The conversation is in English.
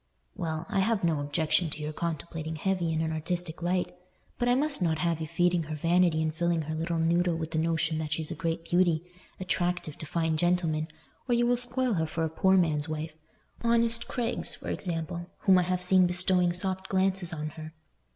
"Well, I have no objection to your contemplating Hetty in an artistic light, but I must not have you feeding her vanity and filling her little noddle with the notion that she's a great beauty, attractive to fine gentlemen, or you will spoil her for a poor man's wife—honest Craig's, for example, whom I have seen bestowing soft glances on her.